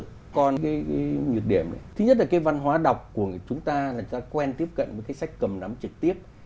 còn cái nhược điểm thứ nhất là cái văn hóa đọc của chúng ta là người ta quen tiếp cận với cái sách cầm nắm trực tiếp